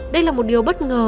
đây là một điều bất ngờ